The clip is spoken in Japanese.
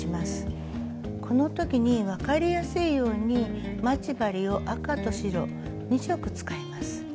この時に分かりやすいように待ち針を赤と白２色使います。